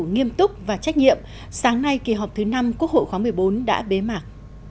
nghiêm túc và trách nhiệm sáng nay kỳ họp thứ năm quốc hội khóa một mươi bốn đã bế mạc